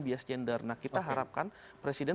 bias gender nah kita harapkan presiden